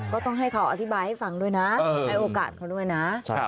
ก็ต้องให้เขาอธิบายให้ฟังด้วยนะให้โอกาสเขาด้วยนะ